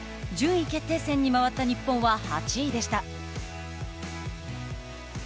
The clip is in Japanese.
順位決定戦に回った日本は８位でした。